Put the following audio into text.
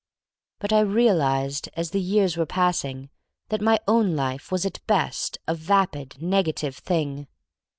But I real ized as the years were passing that my own life was at best a vapid, negative thing.